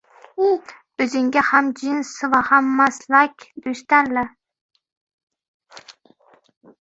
— O‘zingga hamjins va hammaslak do‘st tanla.